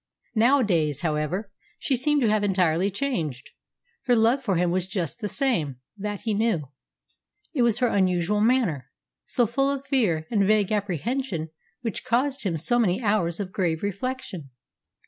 Nowadays, however, she seemed to have entirely changed. Her love for him was just the same that he knew; it was her unusual manner, so full of fear and vague apprehension, which caused him so many hours of grave reflection.